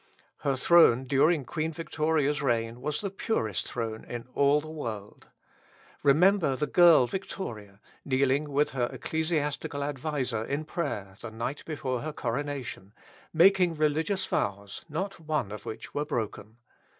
Her throne during Queen Victoria's reign was the purest throne in all the world. Remember the girl Victoria, kneeling with her ecclesiastical adviser in prayer the night before her coronation, making religious vows, not one of which were broken.